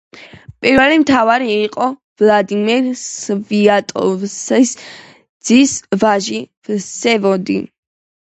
პირველი მთავარი იყო ვლადიმირ სვიატოსლავის ძის ვაჟი ვსევოლოდი.